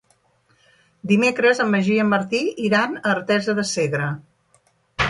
Dimecres en Magí i en Martí iran a Artesa de Segre.